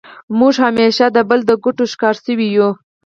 موږ همېشه د بل د ګټو ښکار سوي یو.